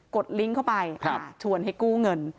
ดลิงก์เข้าไปชวนให้กู้เงิน